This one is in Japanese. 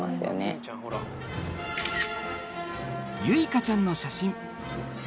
結花ちゃんの写真。